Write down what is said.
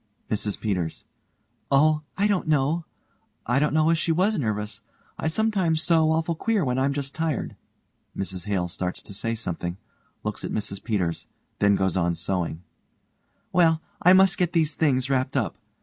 MRS PETERS: Oh I don't know. I don't know as she was nervous. I sometimes sew awful queer when I'm just tired. (MRS HALE starts to say something, looks at MRS PETERS, then goes on sewing) Well I must get these things wrapped up.